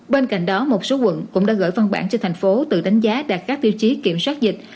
bên cạnh đó một số quận cũng đã gửi phân bản cho tp hcm tự đánh giá đạt các tiêu chí kiểm soát dịch